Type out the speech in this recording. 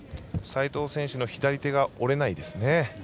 斉藤選手の左手が折れないですね。